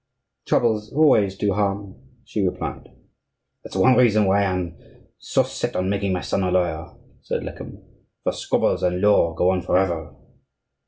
"Troubles always do harm," she replied. "That's one reason why I am so set on making my son a lawyer," said Lecamus; "for squabbles and law go on forever."